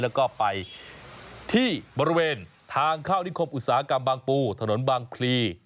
แล้วก็ไปที่บริเวณทางเข้านิคมอุตสาหกรรมบางปูถนนบางพลี